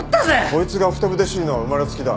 こいつがふてぶてしいのは生まれつきだ。